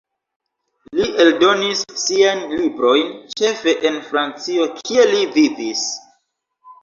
Li eldonis siajn librojn ĉefe en Francio, kie li vivis.